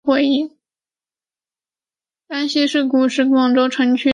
甘溪是古时广州城区的重要水道。